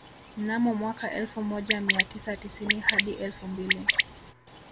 Mnamo mwaka elfu moja mia tisa tisini hadi elfu mbili